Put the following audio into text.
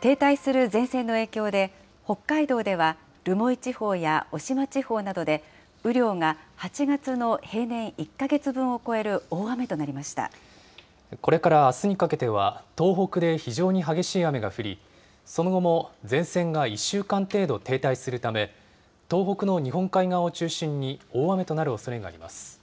停滞する前線の影響で、北海道では留萌地方や渡島地方などで雨量が８月の平年１か月分をこれからあすにかけては、東北で非常に激しい雨が降り、その後も前線が１週間程度停滞するため、東北の日本海側を中心に大雨となるおそれがあります。